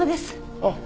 あっ。